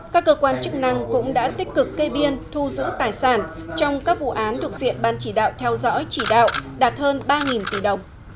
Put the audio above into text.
các cơ quan chức năng cũng đã tích cực kê biên thu giữ tài sản trong các vụ án thuộc diện ban chỉ đạo theo dõi chỉ đạo đạt hơn ba tỷ đồng